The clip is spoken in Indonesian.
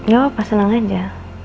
gak apa apa seneng aja